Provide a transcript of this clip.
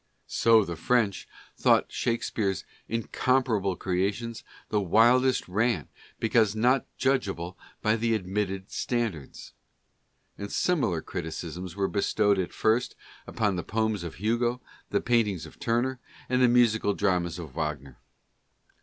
So the French thought Shakspere's incomparable creations the wild est rant, because not judgeable by "the admitted standards." And similar criticisms were bestowed at first upon the poems of Hugo, the paintings of Turner and the musical dramas of Wagner.